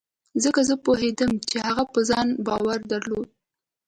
ځکه زه پوهېدم چې هغه په ځان باور درلود.